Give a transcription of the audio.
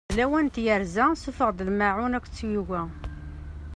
D lawan n tyerza, suffeɣ-d lmaɛun akked tyuga!